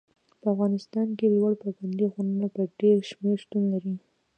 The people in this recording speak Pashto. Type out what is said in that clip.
په افغانستان کې لوړ پابندي غرونه په ډېر شمېر شتون لري.